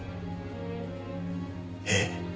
えっ？